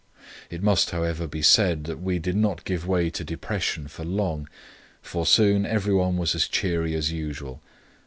"It must, however, be said that we did not give way to depression for long, for soon every one was as cheery as usual.